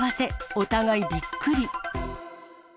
お互いびっくり。